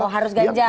oh harus ganjar